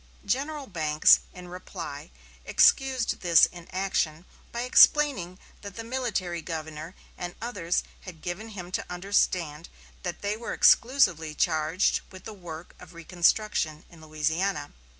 General Banks in reply excused his inaction by explaining that the military governor and others had given him to understand that they were exclusively charged with the work of reconstruction in Louisiana.